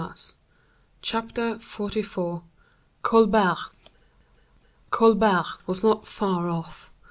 Chapter XLIV. Colbert. Colbert was not far off.